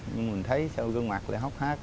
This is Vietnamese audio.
nhưng mình thấy sao gương mặt lại hóc hát